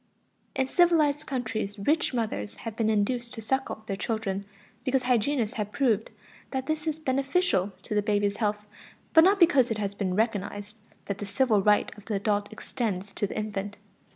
In civilized countries rich mothers have been induced to suckle their children because hygienists have proved that this is beneficial to the baby's health, but not because it has been recognized that the "civil right" of the adult extends to the infant.